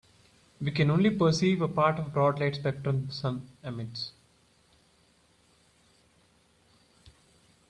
We can only perceive a part of the broad light spectrum the sun emits.